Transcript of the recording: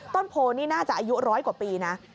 ต้นโพนี่น่าจะอายุร้อยกว่าปีนะ